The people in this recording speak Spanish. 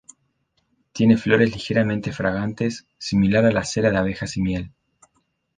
Tiene flores ligeramente fragantes, similar a la cera de abejas y miel.